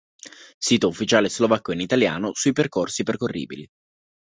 Sito ufficiale slovacco in italiano sui percorsi percorribili